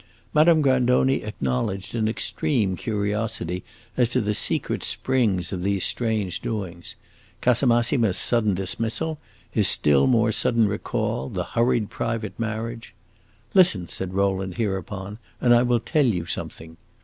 Madame Grandoni acknowledged an extreme curiosity as to the secret springs of these strange doings: Casamassima's sudden dismissal, his still more sudden recall, the hurried private marriage. "Listen," said Rowland, hereupon, "and I will tell you something."